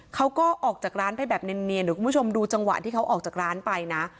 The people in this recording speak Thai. เขาก็ออกจากร้านไปแบบเนียนเดี๋ยวคุณผู้ชมดูจังหวะที่เขาออกจากร้านไปนะ